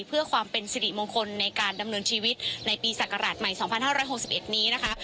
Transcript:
เพื่อความเป็นสิริมงคลในการดำเนินชีวิตในปีสักกราชใหม่สองพันห้าร้ายหกสิบเอ็ดนี้นะคะ